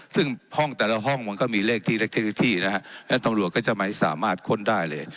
ซึ่งห้องแต่ละห้องมันก็มีเลขที่เล็กทีละที่นะฮะและตำรวจก็จะไม่สามารถค้นได้เลย